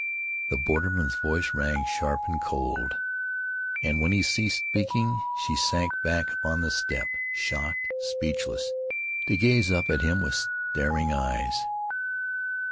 The borderman's voice rang sharp and cold, and when he ceased speaking she sank back upon the step, shocked, speechless, to gaze up at him with staring eyes.